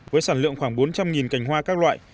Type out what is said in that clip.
với sản lượng khoảng bốn trăm linh cành hoa các loại